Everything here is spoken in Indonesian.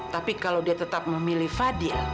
tapi kalau dia tetap memilih fadil